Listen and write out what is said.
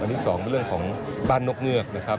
อันนี้สองเรื่องของบ้านนกเงือกนะครับ